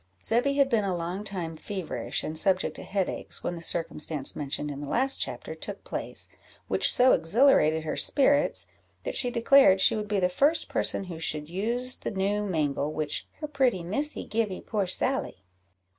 Zebby had been a long time feverish and subject to headaches, when the circumstance mentioned in the last chapter took place, which so exhilarated her spirits, that she declared she would be the first person who should use the new mangle which "her pretty Missy givee poor Sally."